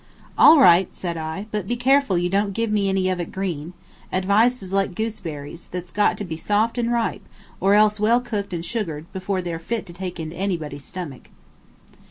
"All right," said I, "but be careful you don't give me any of it green. Advice is like gooseberries, that's got to be soft and ripe, or else well cooked and sugared, before they're fit to take into anybody's stomach."